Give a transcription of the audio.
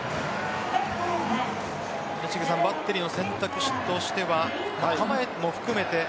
バッテリーの選択肢としては構えも含めて？